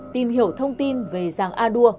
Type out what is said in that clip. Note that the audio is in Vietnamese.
tìm hiểu thông tin về giàng a đua